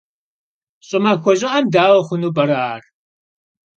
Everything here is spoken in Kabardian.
Ş'ımaxue ş'ı'em daue xhunu p'ere, ar?